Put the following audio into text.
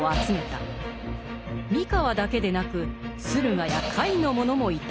三河だけでなく駿河や甲斐の者もいた。